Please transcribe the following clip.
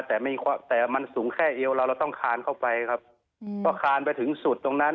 แต่มันสูงแค่เอวเราเราต้องคานเข้าไปครับเพราะคานไปถึงสุดตรงนั้น